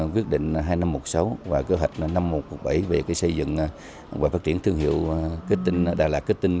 quyết định hai năm một sáu và cơ hạch năm một bảy về xây dựng và phát triển thương hiệu đà lạt kết tinh